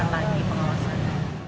berat lagi pengawasannya